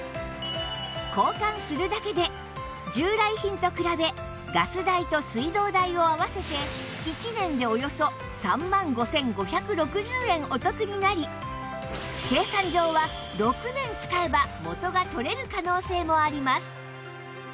交換するだけで従来品と比べガス代と水道代を合わせて１年でおよそ３万５５６０円お得になり計算上は６年使えば元が取れる可能性もあります